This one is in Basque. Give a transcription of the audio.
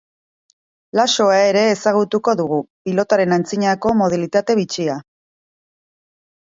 Laxoa ere ezagutuko dugu, pilotaren antzinako modalitate bitxia.